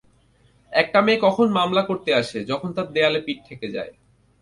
একটা মেয়ে কখন মামলা করতে আসে, যখন তার দেয়ালে পিঠ ঠেকে যায়।